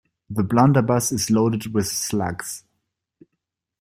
The blunderbuss is loaded with slugs.